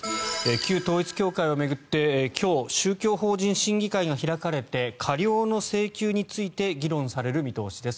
旧統一教会を巡って今日、宗教法人審議会が開かれて過料の請求について議論される見通しです。